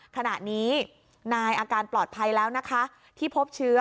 ขณะนี้นายอาการปลอดภัยแล้วนะคะที่พบเชื้อ